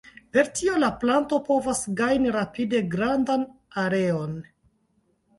Per tio la planto povas gajni rapide grandan areon.